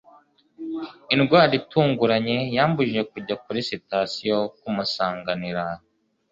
indwara itunguranye yambujije kujya kuri sitasiyo kumusanganira